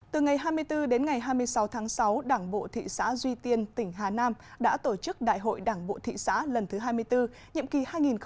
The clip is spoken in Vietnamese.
từ ngày hai mươi bốn đến ngày hai mươi sáu tháng sáu đảng bộ thị xã duy tiên tỉnh hà nam đã tổ chức đại hội đảng bộ thị xã lần thứ hai mươi bốn nhiệm kỳ hai nghìn hai mươi hai nghìn hai mươi năm